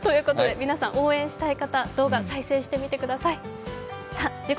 皆さん、応援したい方の動画、再生してみてください。